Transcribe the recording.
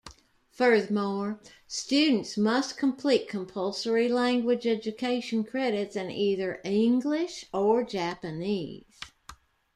Furthermore, students must complete compulsory language education credits in either English or Japanese.